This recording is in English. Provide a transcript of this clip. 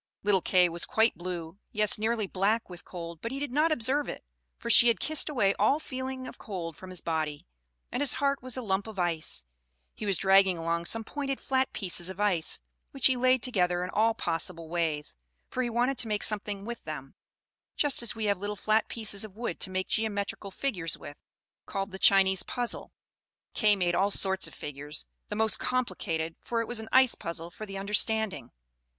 Little Kay was quite blue, yes nearly black with cold; but he did not observe it, for she had kissed away all feeling of cold from his body, and his heart was a lump of ice. He was dragging along some pointed flat pieces of ice, which he laid together in all possible ways, for he wanted to make something with them; just as we have little flat pieces of wood to make geometrical figures with, called the Chinese Puzzle. Kay made all sorts of figures, the most complicated, for it was an ice puzzle for the understanding.